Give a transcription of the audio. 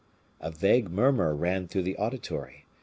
A vague murmur ran through the auditory.